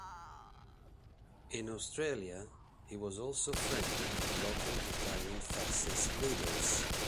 In Australia he was also friendly with local Italian fascist leaders.